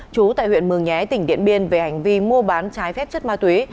chú tại huyện mường nhé tỉnh điện biên về hành vi mua bán trái phép chất ma túy